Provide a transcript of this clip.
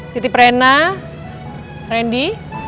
siti prena randy